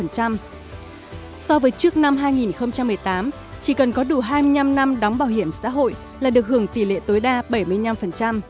so với trước năm hai nghìn một mươi tám chỉ cần có đủ hai mươi năm năm đóng bảo hiểm xã hội là được hưởng tỷ lệ tối đa bảy mươi năm